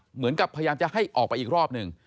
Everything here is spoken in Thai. เหมือนกับพยายามจะให้ออกไปอีกรอบหนึ่ง